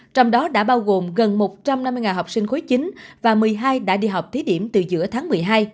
trong đó đã bao gồm gần một trăm năm mươi học sinh khối chín và một mươi hai đã đi học thí điểm từ giữa tháng một mươi hai